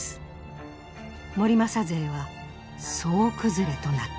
盛政勢は総崩れとなった。